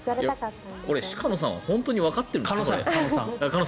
鹿野さんは本当にわかってるんですかね？